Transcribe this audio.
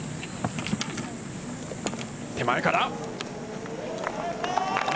手前から。